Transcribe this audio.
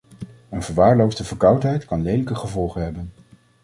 Een verwaarloosde verkoudheid kan lelijke gevolgen hebben.